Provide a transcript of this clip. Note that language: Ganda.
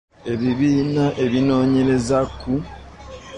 Ebibiina ebinoonyereza ku